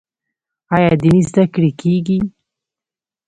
آیا دیني زده کړې کیږي؟